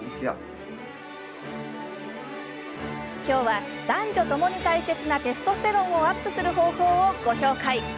きょうは、男女ともに大切なテストステロンをアップする方法をご紹介。